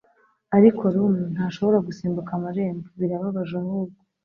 Ariko Rum ntashobora gusimbuka amarembo birababaje ahubwo